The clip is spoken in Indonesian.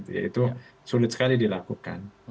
itu sulit sekali dilakukan